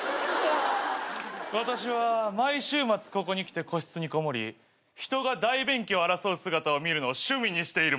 私は毎週末ここに来て個室にこもり人が大便器を争う姿を見るのを趣味にしている者だ。